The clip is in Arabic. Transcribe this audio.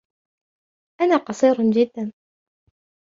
أنا قصير جدّاً